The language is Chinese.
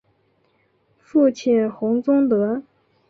父亲洪宗德。